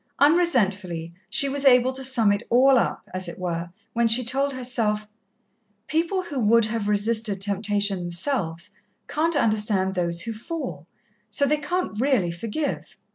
Unresentfully, she was able to sum it all up, as it were, when she told herself, "People who would have resisted temptation themselves, can't understand those who fall so they can't really forgive.